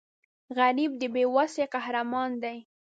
غریب د بې وسۍ قهرمان دی